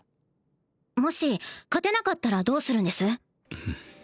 もし勝てなかったらどうするんです？